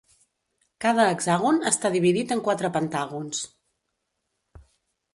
Cada hexàgon està dividit en quatre pentàgons.